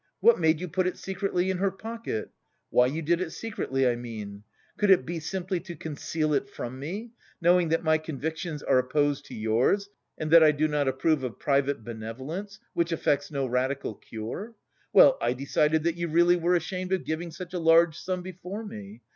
What made you put it secretly in her pocket? Why you did it secretly, I mean? Could it be simply to conceal it from me, knowing that my convictions are opposed to yours and that I do not approve of private benevolence, which effects no radical cure? Well, I decided that you really were ashamed of giving such a large sum before me.